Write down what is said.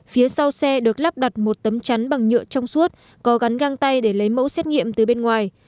phía sau xe được lắp đặt một tấm chắn bằng nhựa trong suốt có gắn găng tay để lấy mẫu xét nghiệm từ bên ngoài